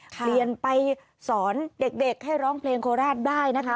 เปลี่ยนไปสอนเด็กให้ร้องเพลงโคราชได้นะคะ